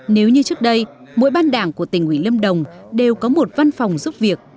nếu như trước đây mỗi ban đảng của tỉnh ủy lâm đồng đều có một văn phòng giúp việc